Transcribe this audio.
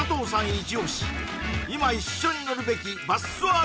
イチオシ今一緒に乗るべきバスツアー